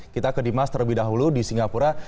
kita ke dimas terlebih dahulu di singapura